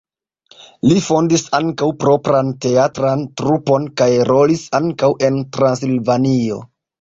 Li fondis ankaŭ propran teatran trupon kaj rolis ankaŭ en Transilvanio.